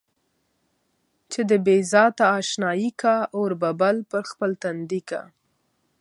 چې د بې ذاته اشنايي کا اور به بل پر خپل تندي کا.